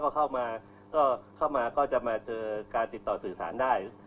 เข้ามาก็มีการเจอการติดต่อสึดสารได้